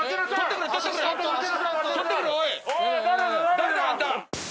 誰だあんた！